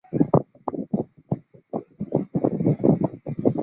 该年也增设魁星神像。